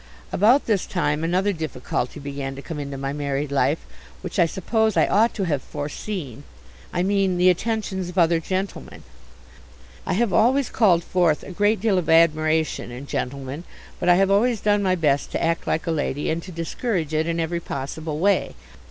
About this time another difficulty began to come into my married life, which I suppose I ought to have foreseen I mean the attentions of other gentlemen. I have always called forth a great deal of admiration in gentlemen, but I have always done my best to act like a lady and to discourage it in every possible way.